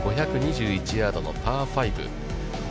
５２１ヤードのパー５。